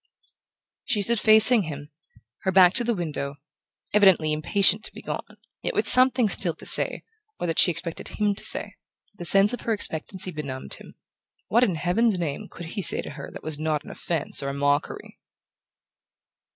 She stood facing him, her back to the window, evidently impatient to be gone, yet with something still to say, or that she expected to hear him say. The sense of her expectancy benumbed him. What in heaven's name could he say to her that was not an offense or a mockery?